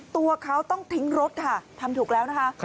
ตัวเขาต้องทิ้งรถค่ะทำถูกแล้วนะคะ